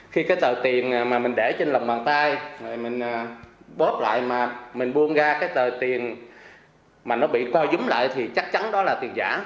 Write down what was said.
khi cái tờ tiền mà mình để trên lòng bàn tay rồi mình bóp lại mà mình buông ra cái tờ tiền mà nó bị co dúng lại thì chắc chắn đó là tiền giả